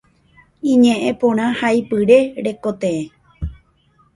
Iñe'ẽporãhaipyre rekotee.